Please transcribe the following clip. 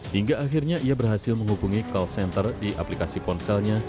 hingga akhirnya ia berhasil menghubungi call center di aplikasi ponselnya